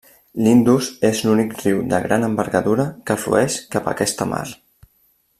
L'Indus és l'únic riu de gran envergadura que flueix cap a aquesta mar.